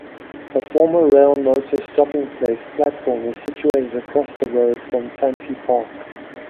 A former Railmotor Stopping Place platform is situated across the road from Tanti Park.